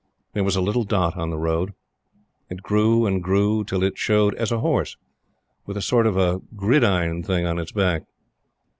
There was a little dot on the road. It grew and grew till it showed as a horse, with a sort of gridiron thing on his back.